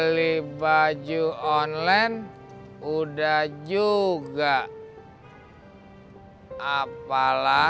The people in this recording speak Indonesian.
ngasih puisi niontek lirik lagu udeh pernah